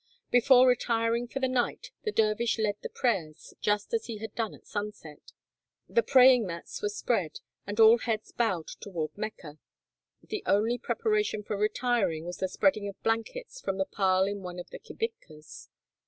Before retiring for the night, the dervish led the prayers, just as he had done at sunset. The praying mats were spread, and all heads bowed toward Mecca. The only preparation for retiring was the spreading of blankets from the pile in one of the kibitkas.